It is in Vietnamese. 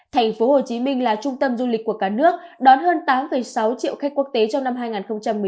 thành phố hồ chí minh là trung tâm du lịch của cả nước đón hơn tám sáu triệu khách quốc tế trong năm hai nghìn một mươi chín